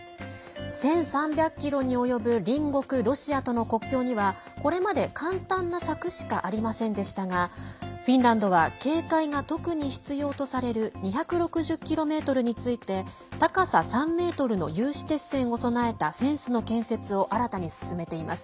１３００ｋｍに及ぶ隣国ロシアとの国境にはこれまで簡単な柵しかありませんでしたがフィンランドは、警戒が特に必要とされる２６０ｋｍについて高さ３ｍの有刺鉄線を備えたフェンスの建設を新たに進めています。